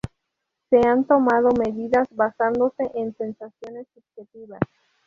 Se han tomado medidas basándose en sensaciones subjetivas.